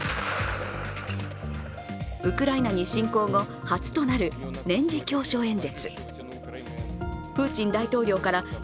ウクライナに侵攻後初となる年次教書演説。